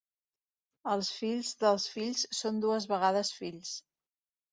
Els fills dels fills són dues vegades fills.